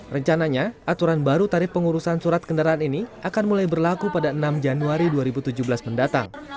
rencananya aturan baru tarif pengurusan surat kendaraan ini akan mulai berlaku pada enam januari dua ribu tujuh belas mendatang